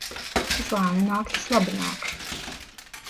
Kas lēni nāk, tas labi nāk.